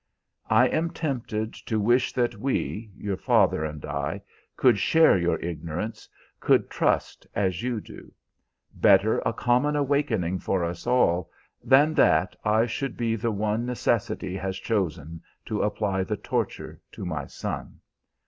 "I am tempted to wish that we your father and I could share your ignorance, could trust as you do. Better a common awakening for us all, than that I should be the one necessity has chosen to apply the torture to my son.